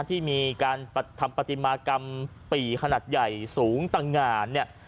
ที่มีการทำปฏิมากรรมปี่ขนาดใหญ่สูงตังงานเนี่ย